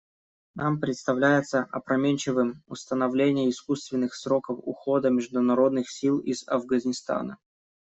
Нам представляется опрометчивым установление искусственных сроков ухода международных сил из Афганистана.